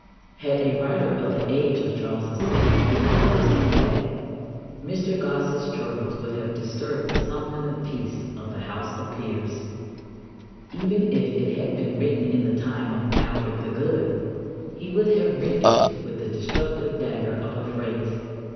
Had a writer of the age of Charles II. written a verse like that, Mr. Gosse's chortles would have disturbed the somnolent peace of the House of Peers. Even if it had been written in the time of Albert the Good, he would have rent it with the destructive dagger of a phrase.